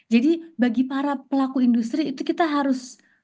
jadi bagi para pelaku industri itu kita harus